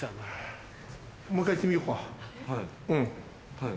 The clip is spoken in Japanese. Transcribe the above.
はい。